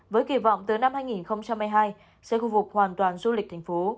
với kỳ vọng từ năm hai nghìn một mươi hai sẽ khu vục hoàn toàn du lịch